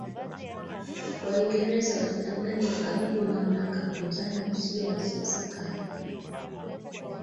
Waingereza walitamani kuwakabidhi mamlaka wapinzani wasio na siasa kali